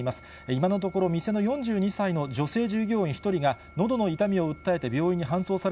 今のところ、店の４２歳の女性従業員１人が、のどの痛みを訴えて病院に搬送さ